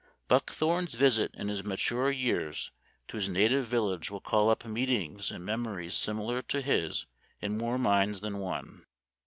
Buckthorne's visit in his mature years to his native village will call up meetings and memo ries similar to his in more minds than one.